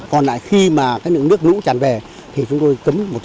còn lại khi mà các nước lũ tràn về thì chúng tôi cấm